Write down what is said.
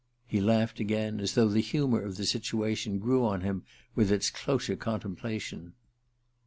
He laughed again, as though the humor of the situation grew on him with its closer contemplation.